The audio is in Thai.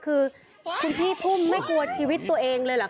คือคุณพี่พุ่มไม่กลัวชีวิตตัวเองเลยเหรอค